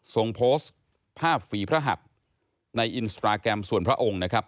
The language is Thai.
ส่งโพสต์ภาพฝีพระหัสในอินสตราแกรมส่วนพระองค์นะครับ